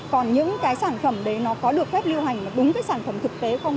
còn những sản phẩm đấy có được phép lưu hành đúng với sản phẩm thực tế không